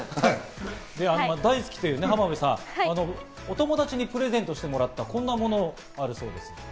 大好きという浜辺さん、お友達にプレゼントしてもらった、こんなものもあるそうです。